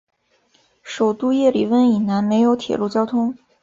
首都叶里温以南没有铁路交通。